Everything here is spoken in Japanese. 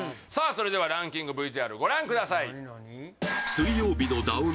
それではランキングＶＴＲご覧ください